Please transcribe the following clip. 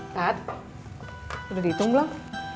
tat udah diitung belum